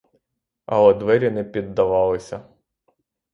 Але двері не піддавалися.